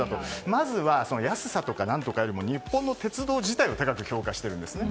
まずは安さとか何とかよりも日本の鉄道自体を高く評価しているんですね。